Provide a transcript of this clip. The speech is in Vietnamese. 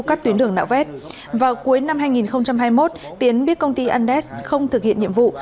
các tuyến đường nạo vét vào cuối năm hai nghìn hai mươi một tiến biết công ty andes không thực hiện nhiệm vụ